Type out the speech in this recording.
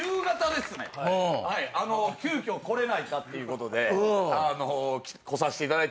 急きょ来れないかっていうことで来させていただいたんすけど。